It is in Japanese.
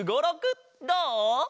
どう？